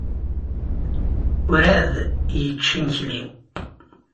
Werɛad yečči imekli.